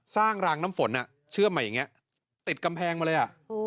รางน้ำฝนเชื่อมใหม่อย่างนี้ติดกำแพงมาเลย